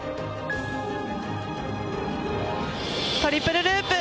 トリプルループ。